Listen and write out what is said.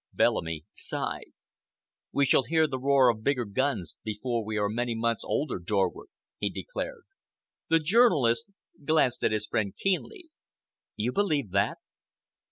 Bellamy sighed. "We shall hear the roar of bigger guns before we are many months older, Dorward," he declared. The journalist glanced at his friend keenly. "You believe that?"